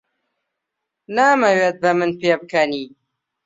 نامەوێت بە من پێبکەنی.